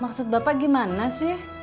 maksud bapak gimana sih